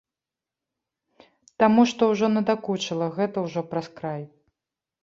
Таму што ўжо надакучыла, гэта ўжо праз край.